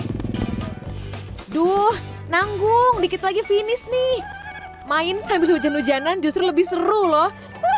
aduh nanggung dikit lagi finish nih main sambil hujan hujanan justru lebih seru loh